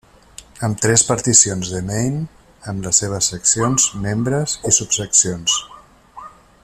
Amb tres particions de Maine amb les seves seccions, membres, i subseccions.